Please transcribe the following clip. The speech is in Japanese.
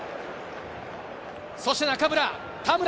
そして中村、田村。